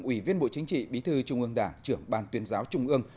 ủy viên bộ chính trị bí thư trung ương đảng trưởng ban tuyên giáo trung ương